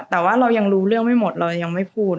แต่ว่าเรายังรู้เรื่องไม่หมดเรายังไม่พูด